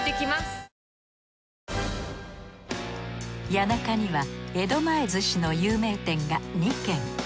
谷中には江戸前寿司の有名店が２軒。